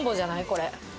これ。